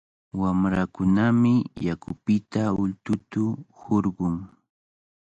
Wamrakunami yakupita ultuta hurqun.